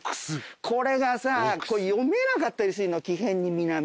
これがさ読めなかった木偏に南。